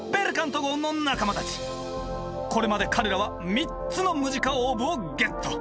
これまで彼らは３つのムジカオーブをゲット。